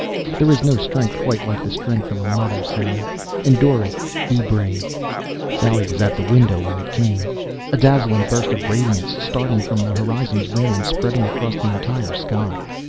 There is no strength quite like the strength of a mother, Sally. Endure it, be brave ... Sally was at the window when it came. A dazzling burst of radiance, starting from the horizon's rim and spreading across the entire sky.